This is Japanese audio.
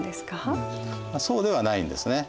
そうではないんですね。